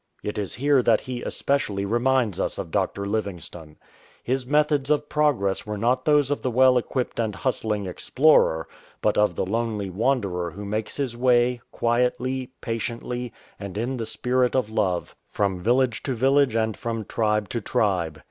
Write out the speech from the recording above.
It is here that he especially reminds us of Dr. Livingstone. His methods of progress were not those of the well equipped and hustling explorer, but of the lonely wanderer who makes his way, quietly, patiently, and in the spirit of love, from i6o FRED S. ARNOT village to village and from tribe to tribe.